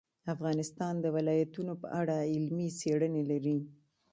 افغانستان د ولایتونو په اړه علمي څېړنې لري.